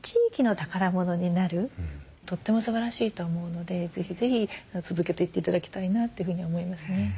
とってもすばらしいと思うので是非是非続けていって頂きたいなというふうに思いますね。